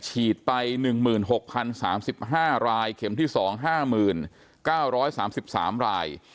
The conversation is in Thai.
ฉีดไป๑๖๐๓๕รายเข็มที่๒๕๙๓๓ราย